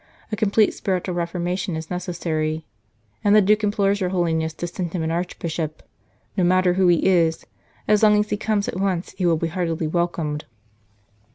A complete spiritual reformation is necessary, St. Charles Borromeo and the Duke implores your Holiness to send him an Archbishop. No matter who he is, so long as he comes at once, he will be heartily welcomed."